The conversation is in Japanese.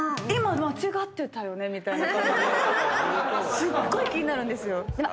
すっごい気になるんですよ。